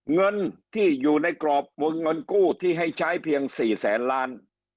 เงินที่อยู่ในกรอบวงเงินกู้ที่ให้ใช้เพียง๔แสนล้าน